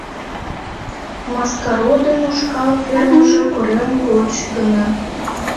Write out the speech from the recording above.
Маскародын ушкал фермыже корем гоч гына.